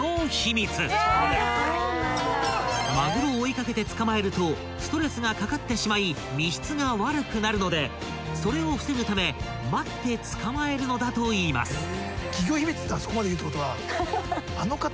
［マグロを追い掛けて捕まえるとストレスがかかってしまい身質が悪くなるのでそれを防ぐため待って捕まえるのだといいます］